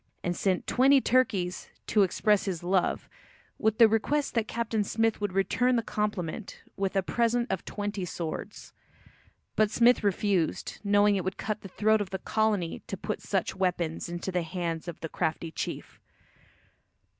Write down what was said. And sent twenty turkeys "to express his love," with the request that Captain Smith would return the compliment with a present of twenty swords. But Smith refused, knowing it would cut the throat of the colony to put such weapons into the hands of the crafty chief.